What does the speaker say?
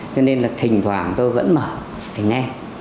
cho nên là thỉnh thoảng tôi vẫn mở thì nghe